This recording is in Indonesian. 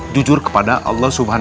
jujur kepada allah swt